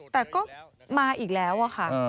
แต่ก็มาอีกแล้วอะค่ะ